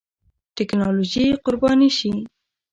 ټېکنالوژي قرباني شي.